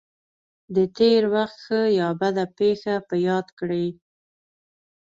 د تېر وخت ښه یا بده پېښه په یاد کړئ.